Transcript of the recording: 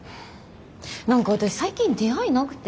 何か私最近出会いなくて。